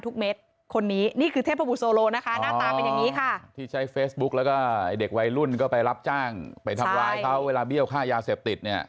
ที่นี่คือเทพบุดโซโลด์นะคะหน้าตาเป็นอย่างนี้ค่ะ